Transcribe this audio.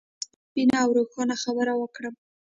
زه بايد يوه سپينه او روښانه خبره وکړم.